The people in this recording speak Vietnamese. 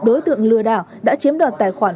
đối tượng lừa đảo đã chiếm đoạt tài khoản